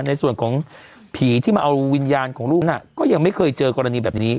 ในส่วนของผีที่มาเอาวิญญาณของลูกน่ะก็ยังไม่เคยเจอกรณีแบบนี้